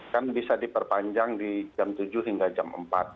kan bisa diperpanjang di jam tujuh hingga jam empat